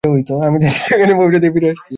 আমি তাদের সেখানে পৌঁছে দিয়ে ফিরে আসছি।